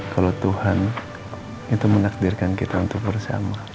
kalau tuhan itu menakdirkan kita untuk bersama